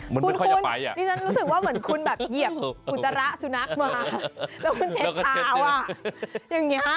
มันเป็นข้อยไปอ่ะนี่ฉันรู้สึกว่าเหมือนคุณแบบเหยียบอุตรระสุนัขมาแล้วคุณเช็ดขาวอ่ะอย่างเงี้ย